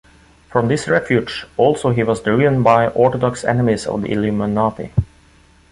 From this refuge also he was driven by orthodox enemies of the Illuminati.